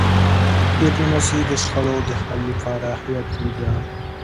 ډيپلوماسي د شخړو د حل لپاره حیاتي ده.